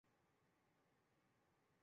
阿芒斯下韦兰人口变化图示